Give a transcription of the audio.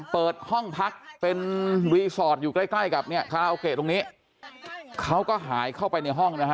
เปิดห้องพักเป็นรีสอร์ทอยู่ใกล้ใกล้กับเนี่ยคาราโอเกะตรงนี้เขาก็หายเข้าไปในห้องนะฮะ